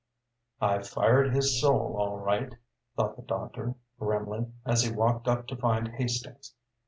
"I fired his soul all right," thought the doctor, grimly, as he walked up to find Hastings.